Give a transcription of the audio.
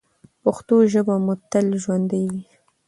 پښتو ژبه مو تل ژوندۍ وي.